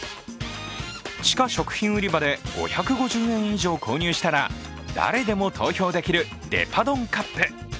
地下食品売り場で５５０円以上購入したら誰でも投票できるデパ丼カップ。